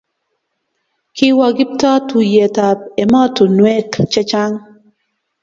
Kiwa Kiptoo tuiyet ab ematun wek chechang